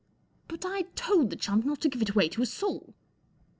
44 But I told the chump not to give it away to a soul."